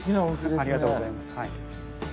ありがとうございます。